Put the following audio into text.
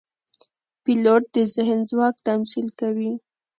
پیلوټ د ذهن ځواک تمثیل کوي.